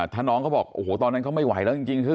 ถ้าน้องเขาบอกโอ้โหตอนนั้นเขาไม่ไหวแล้วจริงคือ